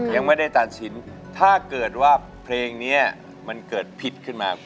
ยังไม่ได้ตัดสินถ้าเกิดว่าเพลงนี้มันเกิดผิดขึ้นมา